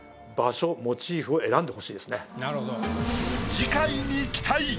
次回に期待！